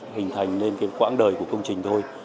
hình thành lên cái quãng đời của công trình thôi